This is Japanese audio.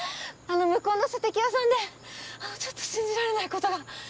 向こうの射的屋さんでちょっと信じられないことが。